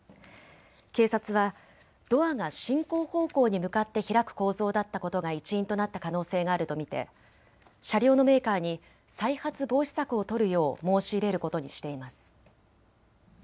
警察はドアが進行方向に向かって開く構造だったことが一因となった可能性があると見て車両のメーカーに再発防止策を取るよう申し入れることにしています。